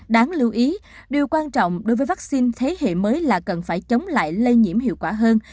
đáng lưu ý điều quan trọng đối với vaccine thế hệ mới là cần phải chống lại lây nhiễm hiệu quả hơn